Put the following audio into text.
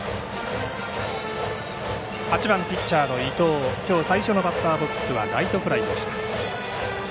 ８番ピッチャーの伊藤大稀きょう最初のバッターボックスはライトフライでした。